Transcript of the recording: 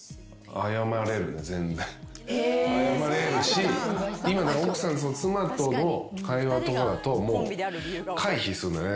謝れるし妻との会話とかだともう回避するんだよね。